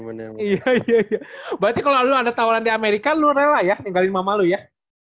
iya iya berarti kalo lu ada tawaran di amerika lu rela ya tinggalin mama lu ya